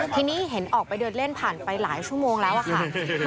ทีนี้เห็นออกไปเดินเล่นผ่านไปหลายชั่วโมงแล้วอะค่ะ